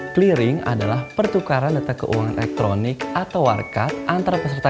clearing adalah pertukaran data keuangan elektronik atau warkat antar peserta